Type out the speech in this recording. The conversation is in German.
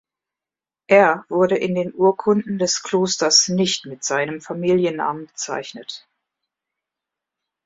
Er wurde in den Urkunden des Klosters nicht mit seinem Familiennamen bezeichnet.